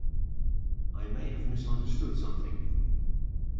I may have misunderstood something